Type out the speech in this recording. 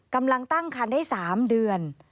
กำลังตั้งคันได้๓เดือน